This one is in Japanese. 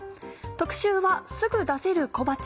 特集は「すぐ出せる！小鉢」。